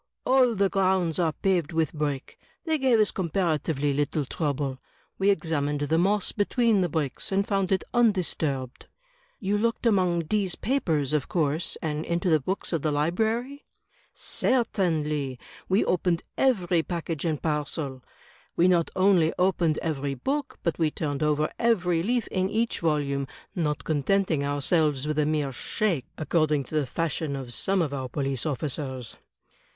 "All the grounds are paved with brick. They gave us compara tively little trouble. We examined the moss between the bricks, and found it undisturbed." "You looked among D — 's papers, of course, and into the books of the library?" "Certainly; we opened every package and parcel; we not only opened every book, but we turned over every leaf in each volimie, not contenting ourselves with a mere shake, according to the fashion of some of our police officers.